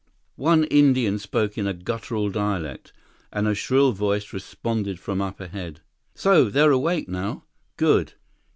One Indian spoke in a guttural dialect, and a shrill voice responded from up ahead: "So they're awake now? Good!